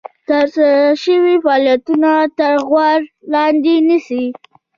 ترسره شوي فعالیتونه تر غور لاندې نیسي.